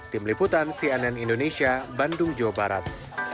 tim liputan cnn indonesia bandung jawa barat